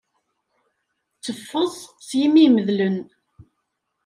Tteffeẓ s yimi imedlen.